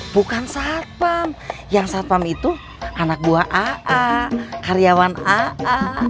bukan satpam yang satpam itu anak buah aa karyawan aa